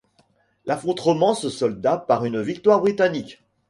L'affrontement se solda par une victoire britannique.